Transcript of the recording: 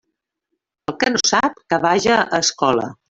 El que no sap, que vaja a escola.